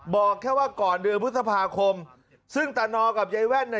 บอกแค่ว่าก่อนเดือนพฤษภาคมซึ่งตานอกับยายแว่นเนี่ย